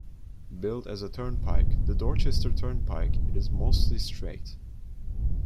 Built as a turnpike, the Dorchester Turnpike, it is mostly straight.